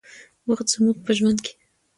وخت زموږ په ژوند کې